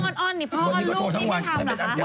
เรื่องอ้อนนี่พ่ออ้อนลูกนี่ไม่ทำเหรอคะ